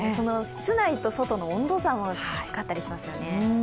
室内と外の温度差もきつかったりしますよね。